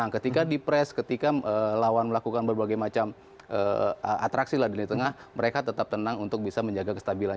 ketika di press ketika lawan melakukan berbagai macam atraksi lah di lini tengah mereka tetap tenang untuk bisa menjaga kestabilan